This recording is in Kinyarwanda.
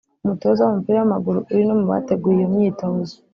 umutoza w’umupira w’amaguru uri no mu bateguye iyo myitozo